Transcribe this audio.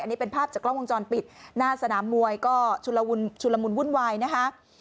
อันนี้เป็นภาพจากกล้องวงจรปิดหน้าสนามมวยก็ชุลมุนวุ่นวายนะคะ